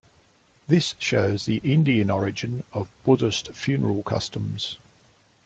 This shows the Indian origin of Buddhist funeral customs.